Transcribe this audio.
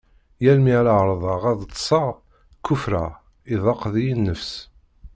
Yal mi ara ɛerḍeɣ ad ṭseɣ, kufreɣ iḍaq deg-i nnefs.